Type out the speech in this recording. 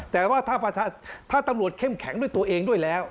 แต่ว่าถ้าตำรวจเข้มแข็งด้วยตัวเองด้วยแล้ว